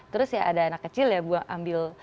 terus ya ada anak kecil ya buang ambil